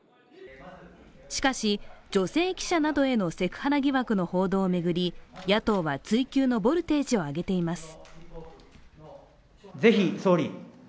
しかし、女性記者などへのセクハラ疑惑の報道を巡り野党は追及のボルテージを上げています。